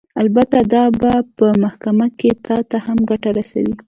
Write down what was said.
البته دا به په محکمه کښې تا ته هم ګټه درورسوي.